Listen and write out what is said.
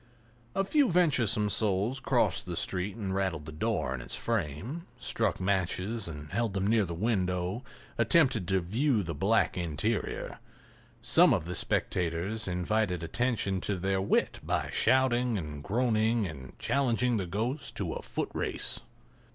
A few venturesome souls crossed the street and rattled the door in its frame; struck matches and held them near the window; attempted to view the black interior. Some of the spectators invited attention to their wit by shouting and groaning and challenging the ghost to a footrace.